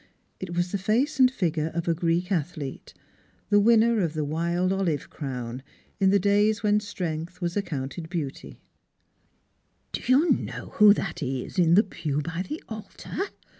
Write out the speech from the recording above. It waa the ftice and figure of a Greek athle^.e, the winner of tli« Strangers and Pilgrims, 89 wild olive crown, in the days when strength was accounted beauty. " Do }ou know who that is in the pew by the altar